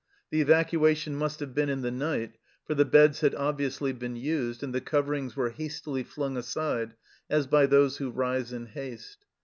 The evacuation must have been in the night, for the beds had obviously been used, and the coverings were hastily flung aside as by those who rise in haste.